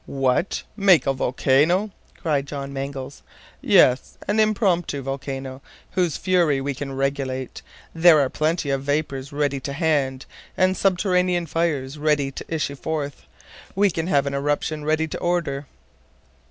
"What! make a volcano!" cried John Mangles. "Yes, an impromptu volcano, whose fury we can regulate. There are plenty of vapors ready to hand, and subterranean fires ready to issue forth. We can have an eruption ready to order."